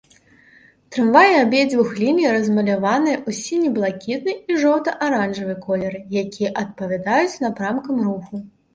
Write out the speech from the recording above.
Трамваі абедзвюх ліній размаляваныя ў сіне-блакітны і жоўта-аранжавы колеры, якія адпавядаюць напрамкам руху.